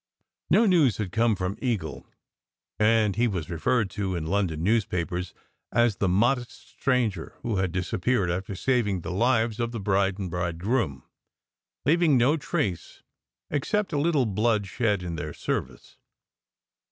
No news had come from Eagle, and he was referred to in London newspapers as "the modest stranger" who had disappeared after saving the lives of the bride and bridegroom, "leaving no trace except a little blood shed in their service."